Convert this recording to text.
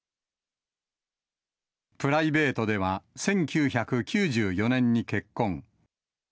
プライベートでは、１９９４年に結婚。